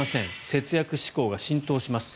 節約志向が浸透します。